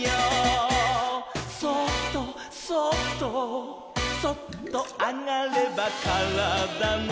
「そっとそっとそっとあがればからだの」